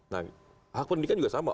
nah hak pendidikan juga sama